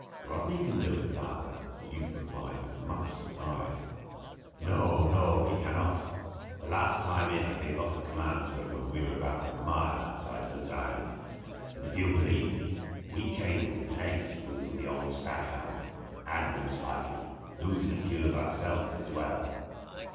"Rodney can do it, father," the youth replied, with much surprise. "No, no, he cannot. The last time in I gave up the command to him when we were about a mile outside Hood's Island; and, if you will believe me, we came within an ace of losing the old Staghound; and, most likely, losing a few of ourselves as well.